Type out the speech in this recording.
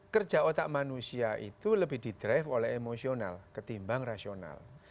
kerja otak manusia itu lebih di drive oleh emosional ketimbang rasional